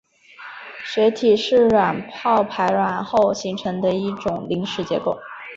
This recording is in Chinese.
血体是卵泡排卵后形成的一种临时结构。